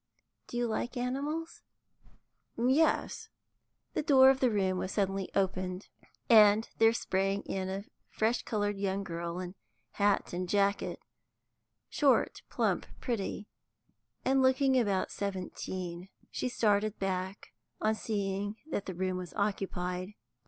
Do you like animals?" "Yes." The door of the room suddenly opened, and there sprang in a fresh coloured young girl in hat and jacket, short, plump, pretty, and looking about seventeen. She started back on seeing that the room was occupied.